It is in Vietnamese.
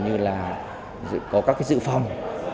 như là có các dự phòng